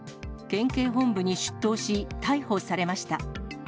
県警本部に出頭し、逮捕されました。